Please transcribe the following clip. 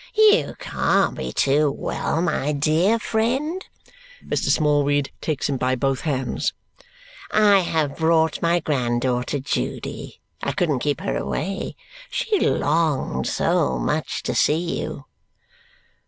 "You can't be too well, my dear friend." Mr. Smallweed takes him by both hands. "I have brought my granddaughter Judy. I couldn't keep her away. She longed so much to see you."